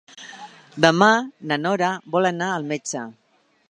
Demà na Nora vol anar al metge.